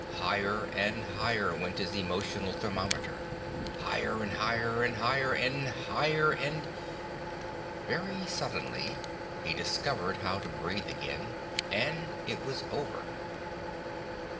Higher and higher went his emotional thermometer, higher and higher and higher and higher and ... Very suddenly, he discovered how to breathe again, and it was over.